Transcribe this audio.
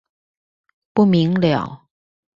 不明瞭